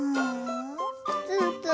ツンツン。